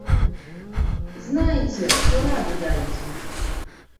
Знаеце, то раду дайце!